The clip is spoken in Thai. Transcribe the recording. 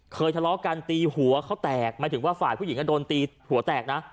ทะเลาะกันตีหัวเขาแตกหมายถึงว่าฝ่ายผู้หญิงก็โดนตีหัวแตกนะ